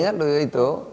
ingat loh itu